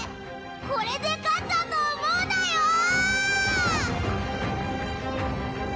これで勝ったと思うなよー！